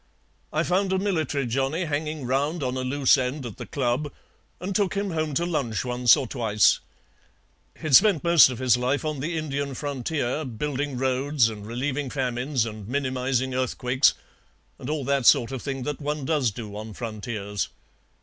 I found a military Johnny hanging round on a loose end at the club, and took him home to lunch once or twice. He'd spent most of his life on the Indian frontier, building roads, and relieving famines and minimizing earthquakes, and all that sort of thing that one does do on frontiers.